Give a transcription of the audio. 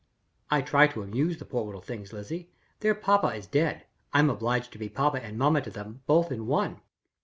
I try to amuse the poor little things, Lizzie. Their papa is dead. I'm obliged to be papa and mamma to them, both in one.